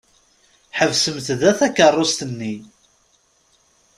Ḥebset da takeṛṛust-nni.